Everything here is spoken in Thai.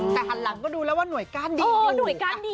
แต่หันหลังก็ดูแล้วว่าหน่วยกล้านดีอยู่